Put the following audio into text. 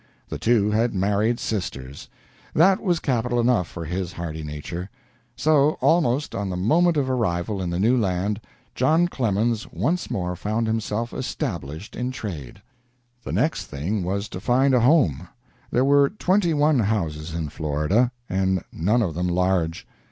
The two had married sisters. That was capital enough for his hearty nature. So, almost on the moment of arrival in the new land, John Clemens once more found himself established in trade. The next thing was to find a home. There were twenty one houses in Florida, and none of them large.